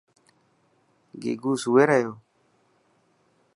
گيگو سوئي رهيو.